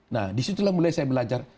nah disitulah mulai saya belajar